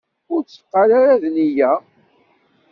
Ur tteqqal ara d nneyya!